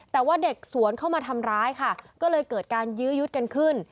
แต่ว่าเด็กสวนเข้ามาทำร้ายค่ะก็เลยเกิดการยื้อยุดกันขึ้น